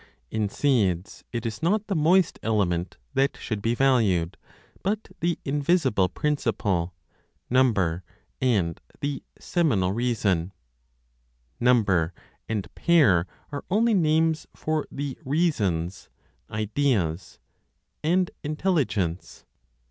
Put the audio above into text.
In seeds, it is not the moist element that should be valued, but the invisible principle, number, and the (seminal) reason. Number and "pair" are only names for the reasons (ideas) and intelligence.